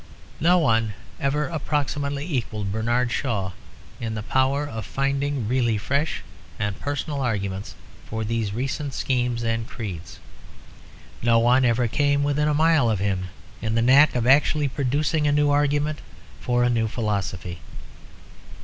No one ever approximately equalled Bernard Shaw in the power of finding really fresh and personal arguments for these recent schemes and creeds. No one ever came within a mile of him in the knack of actually producing a new argument for a new philosophy.